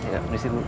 ya disini bu